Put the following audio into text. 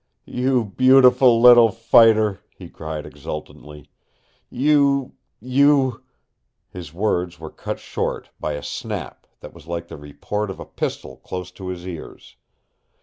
"You beautiful little fighter," he cried exultantly. "You you " His words were cut short by a snap that was like the report of a pistol close to his ears.